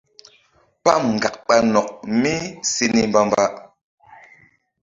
Pam ŋgak ɓa nok mí se ni mbamba.